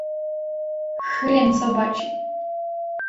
Хрен собачий!